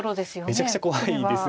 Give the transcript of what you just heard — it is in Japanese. めちゃくちゃ怖いですね。